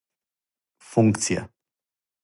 функција